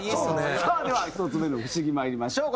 さあでは１つ目の不思議まいりましょう。